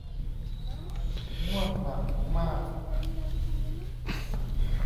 ง่วงหนักมาก